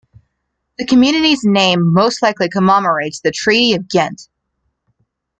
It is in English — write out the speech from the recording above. The community's name most likely commemorates the Treaty of Ghent.